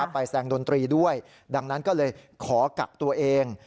ไปแสดงดนตรีด้วยดังนั้นก็เลยขอกักตัวเอง